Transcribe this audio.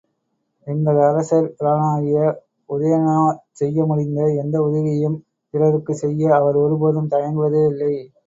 எங்கள் அரசர் பிரானாகிய உதயணனாற் செய்ய முடிந்த எந்த உதவியையும் பிறருக்குச் செய்ய அவர் ஒருபோதும் தயங்குவதே இல்லை.